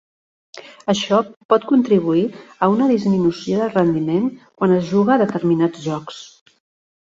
Això pot contribuir a una disminució del rendiment quan es juga determinats jocs.